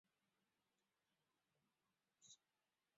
课中成员与英国特种空勤团有技术上的交流。